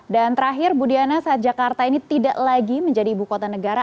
dan terakhir bu diana saat jakarta ini tidak lagi menjadi ibu kota negara